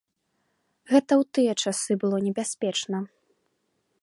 Гэта ў тыя часы было небяспечна.